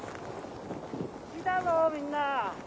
来たぞみんな。